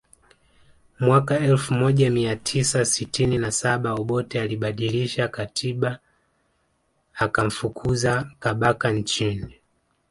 Mwaka elfu moja mia tisa sitini na saba Obote alibadilisha katiba akamfukuza Kabaka nchini